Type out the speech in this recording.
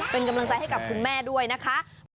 เป็นกำลังใจให้กับคุณแม่ด้วยนะคะ